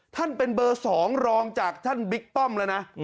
ท่านเป็นเบอร์๒รองจากท่านบิ๊กป้อมแล้วนะ